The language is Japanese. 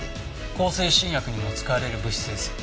向精神薬にも使われる物質です。